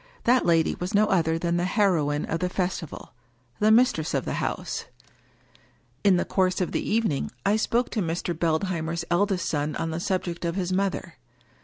That lady was no other than the heroine of the festival, the mis tress of the house ! In the course of the evening I spoke to Mr. Beldheimer's eldest son on the subject of his mother.